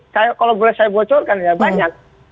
kalau boleh saya bocorkan ya banyak